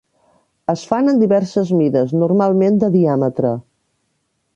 Es fan en diverses mides, normalment de diàmetre.